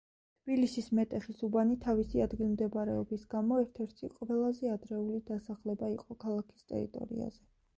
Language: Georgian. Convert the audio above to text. თბილისის მეტეხის უბანი თავისი ადგილმდებარეობის გამო ერთ-ერთი ყველაზე ადრეული დასახლება იყო ქალაქის ტერიტორიაზე.